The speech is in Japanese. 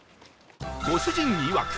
ご主人いわく